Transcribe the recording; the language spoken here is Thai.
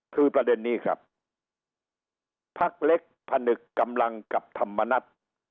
คือประเด็นนี้ครับพักเล็กผนึกกำลังกับธรรมนัฐ